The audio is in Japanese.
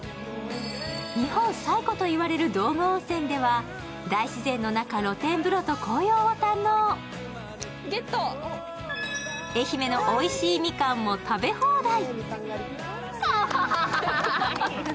日本最古といわれる道後温泉では大自然の中、露天風呂と紅葉を堪能愛媛のおいしいみかんも食べ放題。